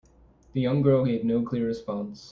The young girl gave no clear response.